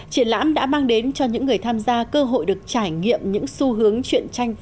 triển lãm đã mang đến cho những người tham gia cơ hội được trải nghiệm những xu hướng chuyện tranh pháp trong thế kỷ hai mươi một